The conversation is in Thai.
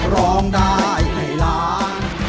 ร้องได้ให้ล้าน